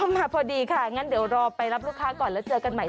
มาพอดีค่ะงั้นเดี๋ยวรอไปรับลูกค้าก่อนแล้วเจอกันใหม่